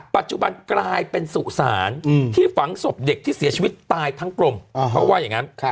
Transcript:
ปัจจุบันกลายเป็นสุสานที่ฝังศพเด็กที่เสียชีวิตตายทั้งกลมเขาก็ว่าอย่างนั้น